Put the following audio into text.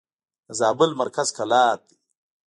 د زابل مرکز قلات دئ.